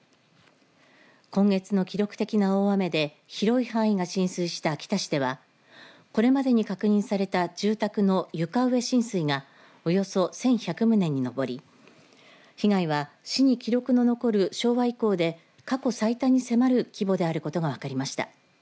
今月の記録的な大雨で広い範囲が浸水した秋田市ではこれまでに確認された住宅の床上浸水がおよそ１１００棟に上り被害は市に記録の残る昭和以降で過去最多に迫る規模であることが分かりました。